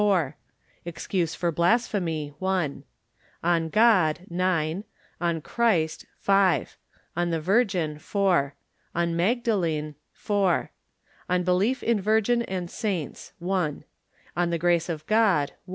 4 Excuse for blasphemy . 1 On God 9 On Christ 5 On the Virgin .... 4 On Magdalen .... 4 On Belief in Virgin and Saints 1 On the Grace of God